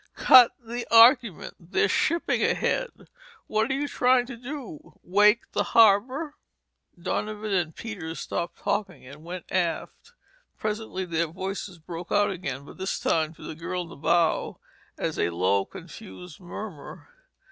Cut the argument! There's shipping ahead. What are you trying to do—wake the harbor?" Donovan and Peters stopped talking and went aft. Presently their voices broke out again but this time came to the girl in the bow as a low, confused murmur.